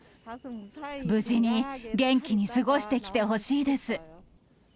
無事に元気に過ごしてきてほしいです。